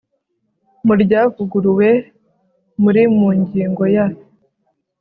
mu ryavuguruwe muri mu ngingo ya